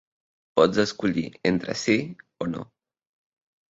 Pots escollir entre sí o no.